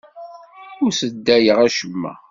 Ur sseddayeɣ acemma.